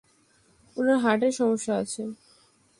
উনার হার্টের সমস্যা আছে।